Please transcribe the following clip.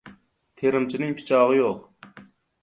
• Temirchining pichog‘i yo‘q.